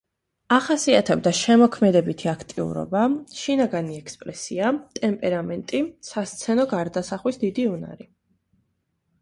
ახასიათებდა შემოქმედებითი აქტიურობა, შინაგანი ექსპრესია, ტემპერამენტი, სასცენო გარდასახვის დიდი უნარი.